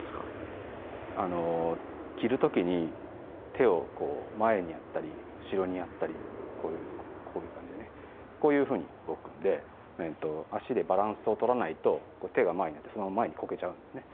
着る時に手を前にやったり後ろにやったりこういう感じでねこういうふうに動くんで足でバランスを取らないと手が前に行ってそのまま前にこけちゃうんですね。